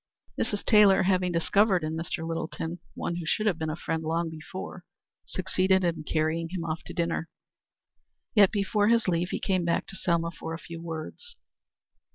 Mrs. Taylor, having discovered in Mr. Littleton one who should have been a friend long before, succeeded in carrying him off to dinner. Yet, before taking his leave, he came back to Selma for a few words.